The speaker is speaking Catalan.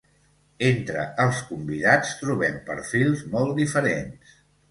Entre els convidats trobem perfils molt diferents.